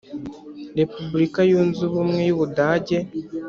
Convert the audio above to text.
repubulika yunze ubumwe yubudage